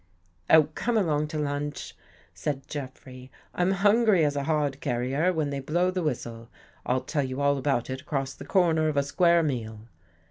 " Oh, come along to lunch," said Jeffrey. " I'm hungry as a hod carrier when they blow the whistle. I'll tell you all about it across the corner of a square meal."